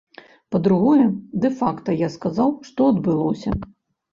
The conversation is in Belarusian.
Па-другое, дэ-факта я сказаў, што адбылося.